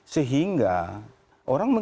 sehingga orang mencari